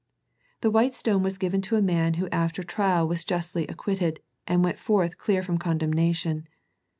The white stone was given to a man who after trial was justly acquitted, and went forth clear from condemnation.